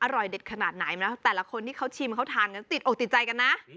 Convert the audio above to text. อร่อยเด็ดขนาดไหนนะแต่ละคนที่เขาชิมเขาทานกันติดอกติดใจกันนะ